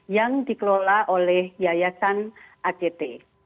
yang dikelola oleh yayasan act